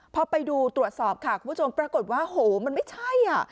พอไปดูตรวจสอบค่ะคุณผู้ชมปรากฏว่าโหมันไม่ใช่อ่ะ